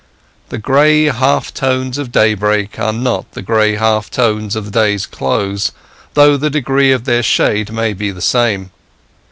The gray half tones of daybreak are not the gray half tones of the day's close, though the degree of their shade may be the same.